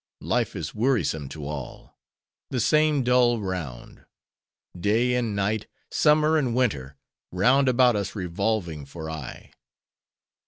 Life is wearisome to all: the same dull round. Day and night, summer and winter, round about us revolving for aye.